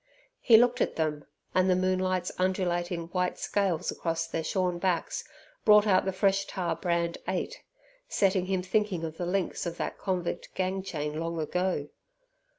He looked at them, and the moonlight's undulating white scales across their shorn backs brought out the fresh tar brand 8, setting him thinking of the links of that convict gang chain long ago.